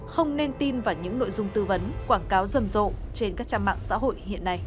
không nên tin vào những nội dung tư vấn quảng cáo rầm rộ trên các trang mạng xã hội hiện nay